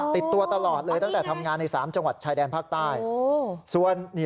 ติดตัวตลอดเลยตั้งแต่ทำงานใน๓จังหวัดชายแดนภาคใต้